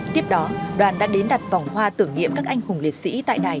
tiếp đó đoàn đã đến đặt vòng hoa tưởng niệm các anh hùng liệt sĩ tại đài